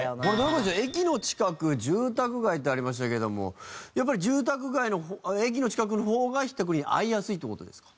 住宅街ってありましたけどもやっぱり住宅街駅の近くの方がひったくりに遭いやすいという事ですか？